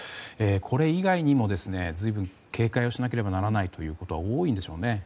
これ以外にも随分警戒をしなければならないことが多いんでしょうね。